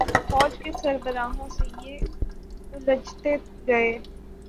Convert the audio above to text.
فوج کے سربراہوں سے یہ الجھتے گئے۔